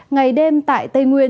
ngày đêm tại tây nguyên